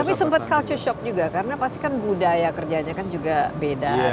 tapi sempat culture shock juga karena pasti kan budaya kerjanya kan juga beda